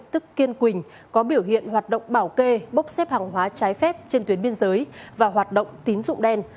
tức kiên quỳnh có biểu hiện hoạt động bảo kê bốc xếp hàng hóa trái phép trên tuyến biên giới và hoạt động tín dụng đen